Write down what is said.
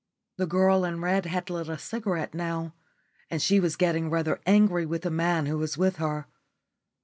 The girl in red had lit a cigarette now, and she was getting rather angry with the man who was with her.